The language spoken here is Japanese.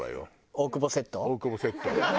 大久保セット。